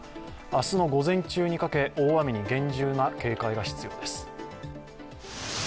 明日の午前中にかけ、大雨に厳重な警戒が必要です。